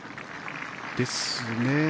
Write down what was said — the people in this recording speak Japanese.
ですね。